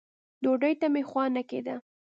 ډوډۍ ته مې خوا نه کېده.